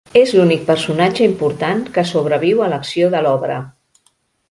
És l'únic personatge important que sobreviu a l'acció de l'obra.